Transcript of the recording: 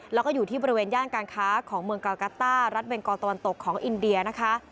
แล้วก็อยู่ที่บริเวณย่านการค้าของเมืองกากาต้ารัฐเวงกอตะวันตกของอินเดียนะคะ